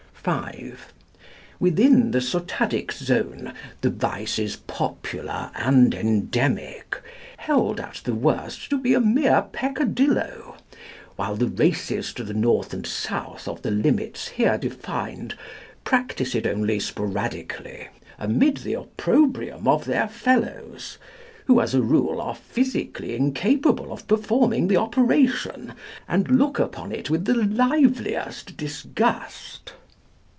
"(5) Within the Sotadic Zone the vice is popular and endemic, held at the worst to be a mere peccadillo, whilst the races to the North and South of the limits here defined practise it only sporadically, amid the opprobrium of their fellows, who, as a rule, are physically incapable of performing the operation, and look upon it with the liveliest disgust."